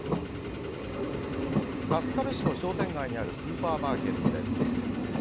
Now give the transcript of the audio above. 春日部市の商店街にあるスーパーマーケットです。